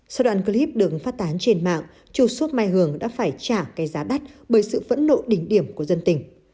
sau đoạn clip được phát tán trên mạng chủ xốp mai hường đã phải trả cái giá đắt bởi sự vẫn nộ đỉnh điểm của dân tỉnh